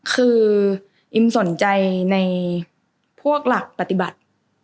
คืออิมสนใจในพวกหลักปฏิบัติ